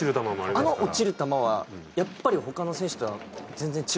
あの落ちる球はやっぱり他の選手とは全然違うものなんですか？